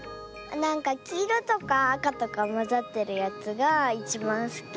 なんかきいろとかあかとかまざってるやつがいちばんすき。